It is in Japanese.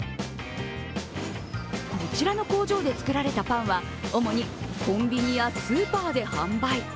こちらの工場で作られたパンは主にコンビニやスーパーで販売。